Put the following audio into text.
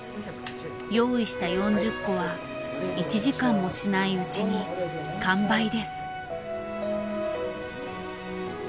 用意した４０個は１時間もしないうちに完売です。